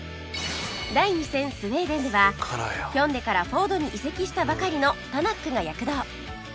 第２戦スウェーデンではヒョンデからフォードに移籍したばかりのタナックが躍動